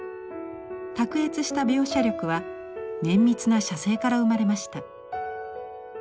卓越した描写力は綿密な写生から生まれました。